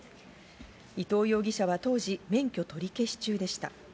伊藤容疑者は当時、免許取り消し中でした。